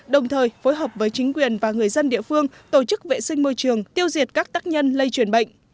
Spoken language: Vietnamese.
đồng thời phối hợp với chính quyền và người dân địa phương tổ chức vệ sinh môi trường tiêu diệt các tác nhân lây chuyển bệnh